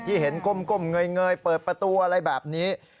เห็นก้มเงยเปิดประตูอะไรแบบนี้